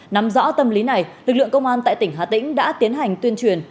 nắm rõ tâm lý này lực lượng công an tại tỉnh hà tĩnh đã tiến hành tuyên truyền